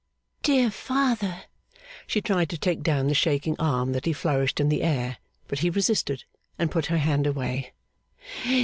'Dear father!' She tried to take down the shaking arm that he flourished in the air, but he resisted, and put her hand away.